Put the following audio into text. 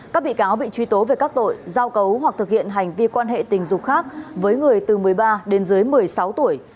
các bị cáo bị truy tố về các tội giao cấu hoặc thực hiện hành vi quan hệ tình dục khác với người từ một mươi ba đến dưới một mươi sáu tuổi